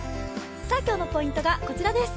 今日のポイントがこちらです。